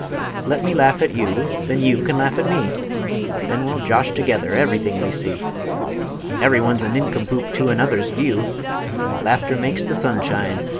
Let me laugh at you, then you can laugh at me; Then we'll josh together everything we see; Every one's a nincompoop to another's view; Laughter makes the sun shine!